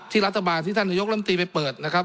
รัฐบาลที่ท่านนายกรรมตรีไปเปิดนะครับ